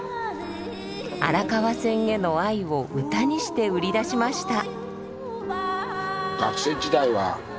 荒川線への愛を歌にして売り出しました。